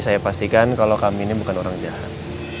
saya pastikan kalau kami ini bukan orang jahat